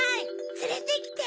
つれてきて！